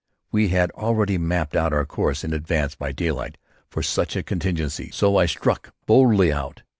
We had already mapped out our course in advance by daylight, for just such a contingency; so I struck boldly out.